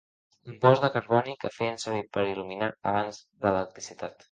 Compost de carboni que feien servir per il·luminar abans de l'electricitat.